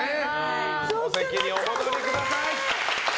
お席にお戻りください。